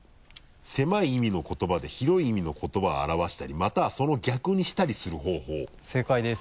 「せまい意味のことばで広い意味のことばをあらわしたりまたはその逆にしたりする方法」正解です。